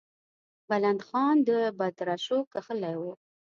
بلند خان د بدرشو کښلې وه.